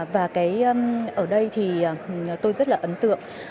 và ở đây thì tôi rất là ấn tượng